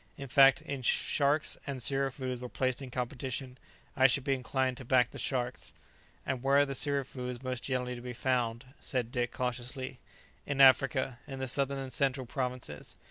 In fact, if sharks and sirafoos were placed in competition, I should be inclined to back the sharks." "And where are these sirafoos most generally to be found?" said Dick cautiously. "In Africa, in the southern and central provinces.